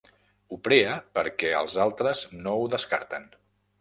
Ho prea perquè els altres no ho descarten.